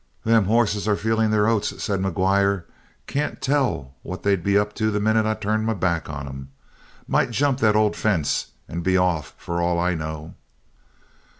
"Them hosses are feeling their oats," said McGuire. "Can't tell what they'd be up to the minute I turned my back on 'em. Might jump that old fence and be off, for all I know."